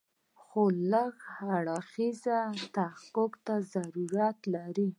خو لږ هر اړخیز تحقیق ته ضرورت لري.